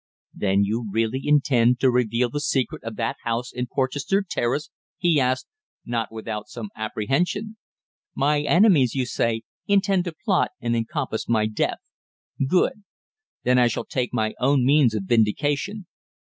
"Then you really intend to reveal the secret of that house in Porchester Terrace?" he asked, not without some apprehension. "My enemies, you say, intend to plot and encompass my death. Good! Then I shall take my own means of vindication.